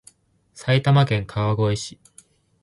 埼玉県川越市